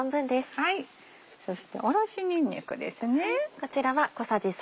そしておろしにんにくです。